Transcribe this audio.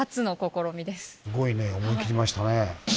すごいね思い切りましたね。